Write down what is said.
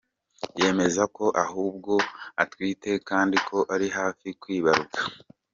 Yemeza ko ahubwo atwite kandi ko ari hafi kwibaruka.